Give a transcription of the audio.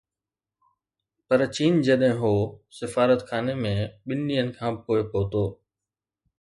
پرچين جڏهن هو سفارتخاني ۾ ٻن ڏينهن کان پوءِ پهتو